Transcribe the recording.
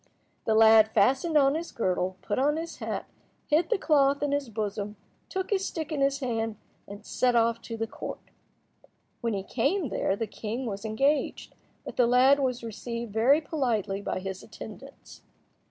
The lad fastened on his girdle, put on his hat, hid the cloth in his bosom, took his stick in his hand, and set off to the Court. When he came there the king was engaged, but the lad was received very politely by his attendants.